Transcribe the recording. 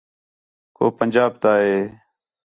کُو پنجاب تا ہے